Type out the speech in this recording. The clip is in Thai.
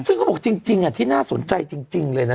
ซึ่งเขาบอกจริงที่น่าสนใจจริงเลยนะ